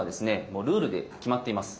もうルールで決まっています。